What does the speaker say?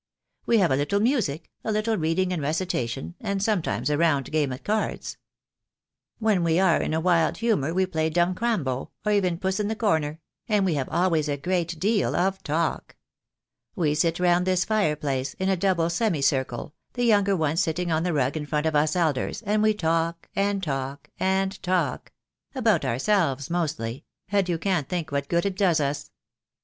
We have a little music, a little reading and recitation, and sometimes a round game at cards. When we are in a wild humour we play dumb crambo, or even puss in the corner; and we have always a great deal of talk. We sit round this fire place in a double semi circle, the younger ones sitting on the rug in front of us elders, and we talk, and talk, and talk — about ourselves mostly, and you can't think what good it does us.